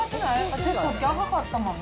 私、さっき赤かったもんね。